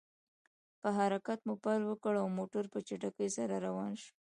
په حرکت مو پیل وکړ، او موټر په چټکۍ سره روان شو.